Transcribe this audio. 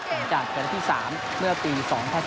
จากแชมป์ที่๓เมื่อปี๒๐๒๒